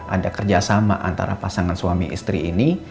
ada kerjasama antara pasangan suami istri ini